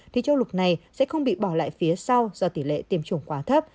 thì châu lục này sẽ không bị bỏ lại phía sau do tỷ lệ tiêm chủng quá thấp